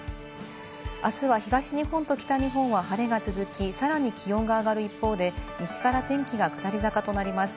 あすは東日本と北日本は晴れが続き、さらに気温が上がる一方で、西から天気は下り坂となります。